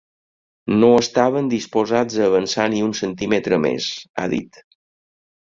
No estaven disposats a avançar ni un centímetre més, ha dit.